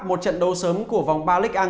một trận đấu sớm của vòng ba ligue một